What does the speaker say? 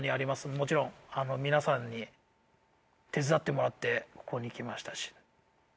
もちろん皆さんに手伝ってもらってここに来ましたし。